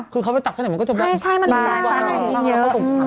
คือเขาไปตักแช่หน่อยมันก็จะกลายมาสงสัยคล้างมันก็ขนาดมันเป็นสมชาติ